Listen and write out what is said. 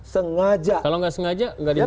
sengaja kalau nggak sengaja nggak bisa